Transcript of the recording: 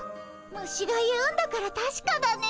虫が言うんだからたしかだね。